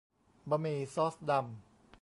บะหมี่ซอสดำ